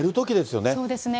そうですね。